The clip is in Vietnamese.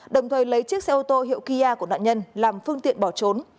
đồng thời lấy chiếc xe ô tô hiệu kia của nạn nhân làm phương tiện bỏ trốn